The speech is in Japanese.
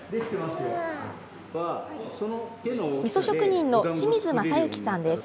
みそ職人の清水正行さんです。